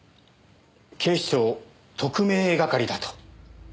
警視庁特命係だと。